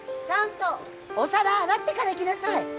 ちゃんとお皿洗ってから行きなさい！